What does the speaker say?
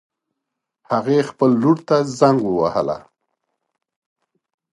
هغې خپل لور ته زنګ ووهله